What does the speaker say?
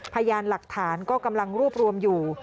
พยานหลักฐานก็กำลังรวบรวมอยู่